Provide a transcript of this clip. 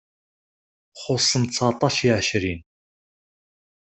Xuṣṣen ttseɛṭac i ɛecrin.